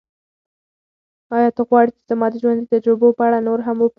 ایا ته غواړې چې زما د ژوند د تجربو په اړه نور هم وپوښتې؟